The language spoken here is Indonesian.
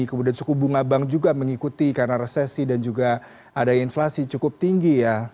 kemudian suku bunga bank juga mengikuti karena resesi dan juga adanya inflasi cukup tinggi ya